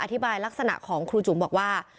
อธิบายลักษณะของครูจุ๋มบอกว่า